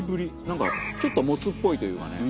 なんかちょっとモツっぽいというかね。